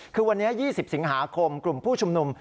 คือวันนี้๒๐สิงหาคมกลุ่มผู้ชุมนุม